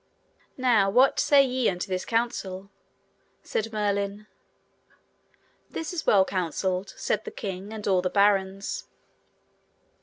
Now, what say ye unto this counsel? said Merlin. This is well counselled, said the king and all the barons.